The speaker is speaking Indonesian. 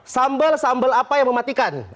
sambal sambal apa yang mematikan